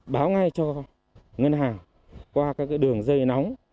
báo ngay cho ngân hàng qua các đường dây nóng